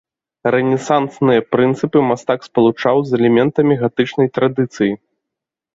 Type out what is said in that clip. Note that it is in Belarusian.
Рэнесансныя прынцыпы мастак спалучаў з элементамі гатычнай традыцыі.